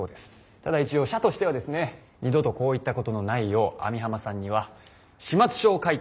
ただ一応社としてはですね二度とこういったことのないよう網浜さんには始末書を書いて。